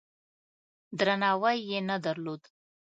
درناوی یې نه درلود.